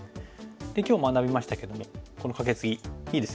で今日学びましたけどもこのカケツギいいですよね。